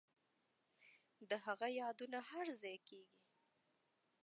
د هغه یادونه هرځای کیږي